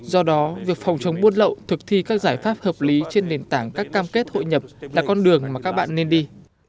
do đó việc phòng chống buôn lậu thực thi các giải pháp hợp lý trên nền tảng các cam kết hội nhập là con đường mà các bạn nên đi